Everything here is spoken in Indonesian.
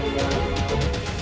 tim liputan tv